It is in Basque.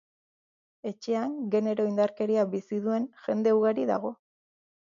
Etxean, genero indarkeria bizi duen jende ugari dago.